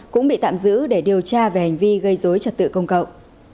cũng bị tạm giữ để điều tra về hành vi gây dối trật tự công cộng